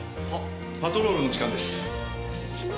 パトロールの時間です。